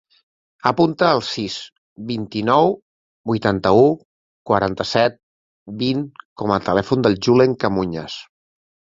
Apunta el sis, vint-i-nou, vuitanta-u, quaranta-set, vint com a telèfon del Julen Camuñas.